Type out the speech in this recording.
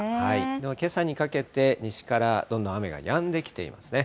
けさにかけて、西からどんどん雨がやんできていますね。